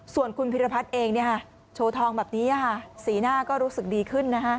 ส่วนคุณพิรพัฒน์เองโชว์ทองแบบนี้สีหน้าก็รู้สึกดีขึ้น